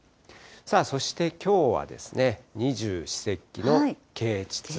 そしてきょうは二十四節気の啓ちつ。